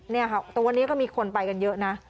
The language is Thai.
แต่วันนี้ก็มีคนไปกันเยอะนะ